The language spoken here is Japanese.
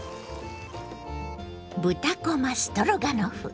「豚こまストロガノフ」。